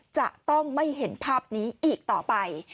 จะต้องไม่เห็นภาพนี้อีกต่อไป